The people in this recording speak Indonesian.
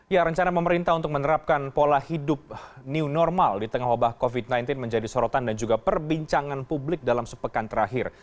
ya rencana pemerintah untuk menerapkan pola hidup new normal di tengah wabah covid sembilan belas menjadi sorotan dan juga perbincangan publik dalam sepekan terakhir